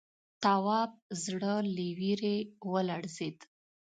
تواب زړه له وېرې ولړزېد.